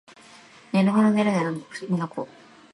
ねるねるねるねの二の粉